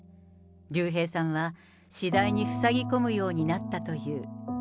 竜兵さんは次第にふさぎ込むようになったという。